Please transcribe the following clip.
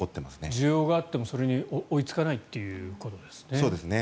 需要があっても、それに追いつかないということですね。